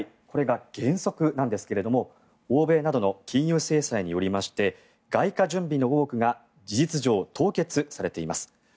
これが原則なんですが欧米などの金融制裁によりまして外貨準備の多くが事実上、凍結されています。